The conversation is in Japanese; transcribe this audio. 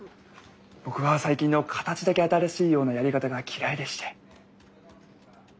僕は最近の形だけ新しいようなやり方が嫌いでして。